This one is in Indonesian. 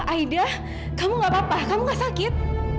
aida kamu tidak apa apa kamu tidak sakit